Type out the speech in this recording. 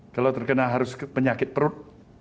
kalau terkena harus penyakit perut